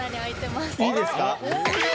いいですか？